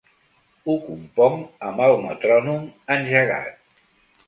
Ho componc amb el metrònom engegat.